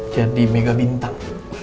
jadi mega bintang